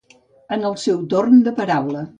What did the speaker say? En el seu torn de paraula.